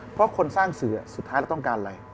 เพราะคนสร้างสื่อสุดท้ายเราต้องการอะไร